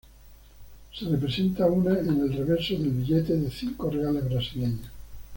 Se representa una en el reverso del billete de cinco reales brasileños.